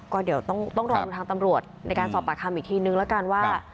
ก็เดี๋ยวต้องรอดูทางตำรวจในการสอบปากคำอีกทีนึงแล้วกันว่า